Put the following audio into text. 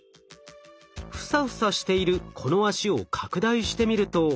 フサフサしているこの脚を拡大してみると。